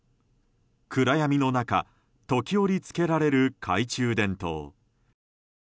暗闇の中時折つけられる懐中電灯。